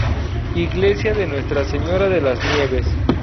Iglesia de Nuestra Señora de las Nieves.